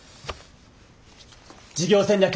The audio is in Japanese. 事業戦略